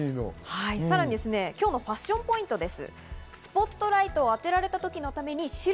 今日のファッションポイントです。